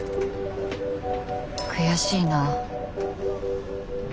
悔しいな。